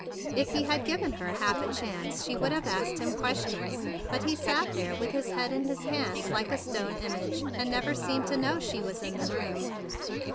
If he had given her half a chance, she would have asked him questions; but he sat there with his head in his hands like a stone image, and never seemed to know she was in the room.